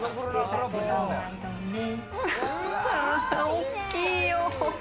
大きいよ。